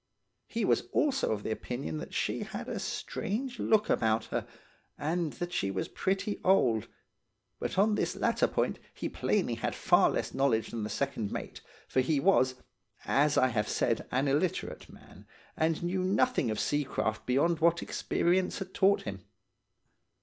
He also was of the opinion that she had a strange look about her, and that she was pretty old; but on this latter point he plainly had far less knowledge than the second mate, for he was, as I have said, an illiterate man, and knew nothing of seacraft beyond what experience had taught him.